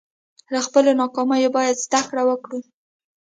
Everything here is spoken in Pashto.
له خپلو ناکامیو باید زده کړه وکړو.